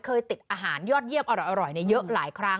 เคยติดอาหารยอดเยี่ยมอร่อยเยอะหลายครั้ง